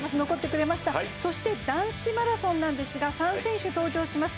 そして男子マラソンですが３選手登場します。